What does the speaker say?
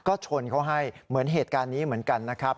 ก็ชนเขาให้เหมือนเหตุการณ์นี้เหมือนกันนะครับ